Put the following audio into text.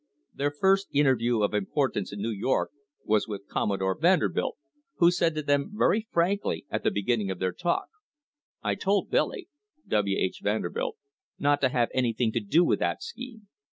Their first interview of importance in New! THE OIL WAR OF 1872 York was with Commodore Vanderbilt, who said to them very frankly at the beginning of their talk: "I told Billy (W. H. Vanderbilt) not to have anything to do with that scheme."